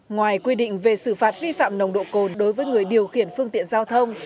ngoài quy định về xử phạt vi phạm nồng độ cồn đối với người điều khiển phương tiện giao thông